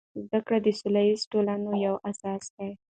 زده کړه د سوله ییزو ټولنو یو اساس دی.